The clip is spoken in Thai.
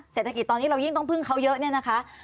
เศรษฐกิจตอนนี้เรายิ่งต้องพึ่งเขาเยอะเนี่ยนะคะ